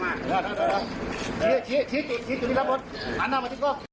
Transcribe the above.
หันหน้ามาหันหน้ามาหันหน้ามาหันหน้ามา